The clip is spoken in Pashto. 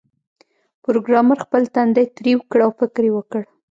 پروګرامر خپل تندی ترېو کړ او فکر یې وکړ